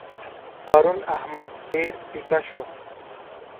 پرون احمد ډېر پيکه شو.